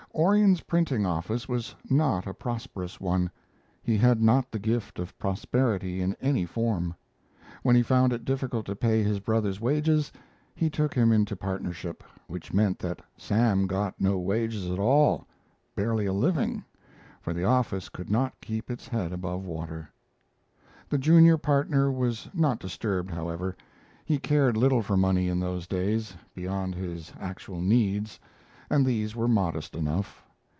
Orion's printing office was not a prosperous one; he had not the gift of prosperity in any form. When he found it difficult to pay his brother's wages, he took him into partnership, which meant that Sam got no wages at all, barely a living, for the office could not keep its head above water. The junior partner was not disturbed, however. He cared little for money in those days, beyond his actual needs, and these were modest enough.